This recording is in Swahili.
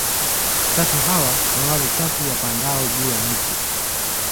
Chatu hawa ni wale chatu wapandao juu ya miti